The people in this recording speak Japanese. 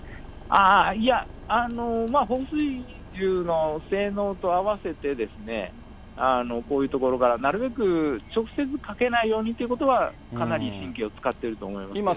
いや、まあ放水、性能と合わせてですね、こういう所からなるべく直接かけないということは、かなり神経を使っていると思いますけれども。